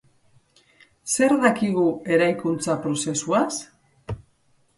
Zer dakigu eraikuntza prozesuaz?